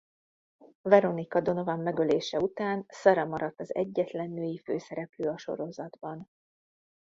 Veronica Donovan megölése után Sara marad az egyetlen női főszereplő a sorozatban.